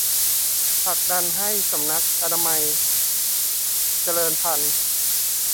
ผลักดันให้สำนักอนามัยเจริญพันธุ์